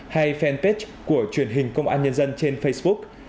hay fanpage của truyền hình công an nhân dân trên facebook